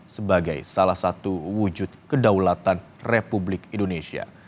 sebagai salah satu wujud kedaulatan republik indonesia